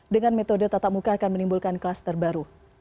dengan metode tatap muka akan menimbulkan kelas terbaru